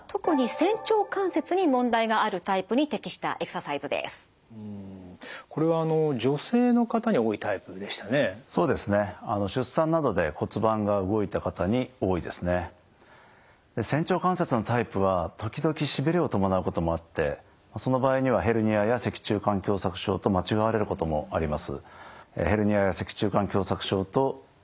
仙腸関節のタイプは時々しびれを伴うこともあってその場合にはヘルニアや脊柱管狭窄症と間違われることもあります。